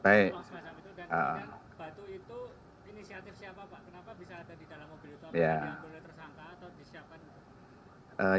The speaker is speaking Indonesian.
apakah yang boleh tersangka atau disiapkan